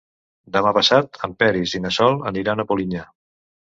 Demà passat en Peris i na Sol aniran a Polinyà.